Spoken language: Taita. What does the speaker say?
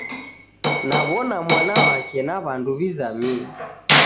Nawona mwana wake na wandu wizamie